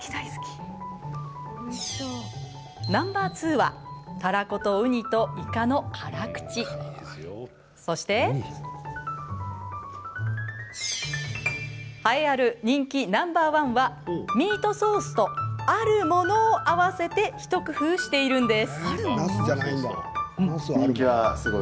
ナンバー２はそして栄えある人気ナンバー１はミートソースとあるものを合わせてひと工夫しているんです。